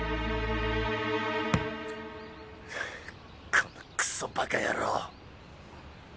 このクソバカ野郎っ！